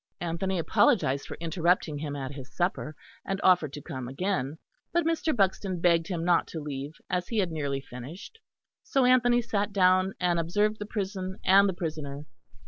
Anthony apologised for interrupting him at his supper, and offered to come again, but Mr. Buxton begged him not to leave, as he had nearly finished. So Anthony sat down, and observed the prison and the prisoner.